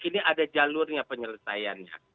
ini ada jalurnya penyelesaiannya